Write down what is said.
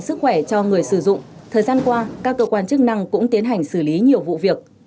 để đảm bảo sức khỏe cho người sử dụng thời gian qua các cơ quan chức năng cũng tiến hành xử lý nhiều vụ việc